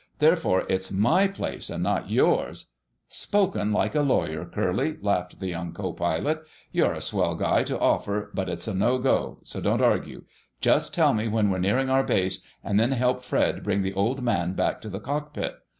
Therefore it's my place and not yours—" "Spoken like a lawyer, Curly!" laughed the young co pilot. "You're a swell guy to offer, but it's no go. So don't argue. Just tell me when we're nearing our base, and then help Fred bring the Old Man back to the cockpit."